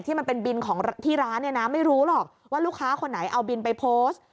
มันเป็นบินของที่ร้านเนี่ยนะไม่รู้หรอกว่าลูกค้าคนไหนเอาบินไปโพสต์